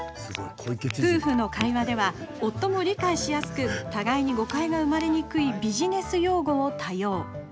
夫婦の会話では夫も理解しやすく互いに誤解が生まれにくいビジネス用語を多用。